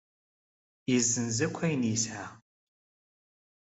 Yessenz akk ayen yesɛa.